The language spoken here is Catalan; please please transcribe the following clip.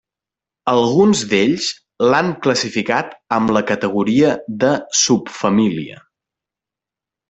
Alguns d'ells l'han classificat amb la categoria de subfamília.